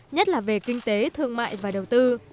nhất là về kinh tế thương mại và đầu tư